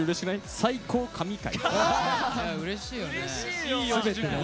「最高神回」。